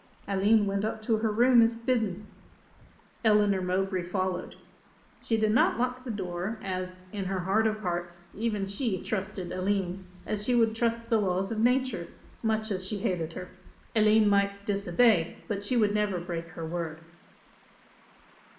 Aline went up to her room as bidden. Eleanor Mowbray followed. She did not lock the door, as, in her heart of hearts, even she trusted Aline as she would trust the laws of nature, much as she hated her. Aline might disobey, but she would never break her word.